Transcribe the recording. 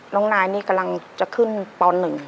น้องนายนี่กำลังจะขึ้นป๑